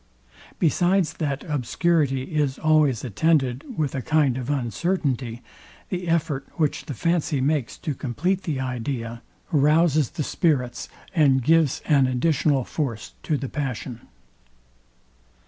Besides that obscurity is always attended with a kind of uncertainty; the effort, which the fancy makes to compleat the idea, rouzes the spirits, and gives an additional force to the passion.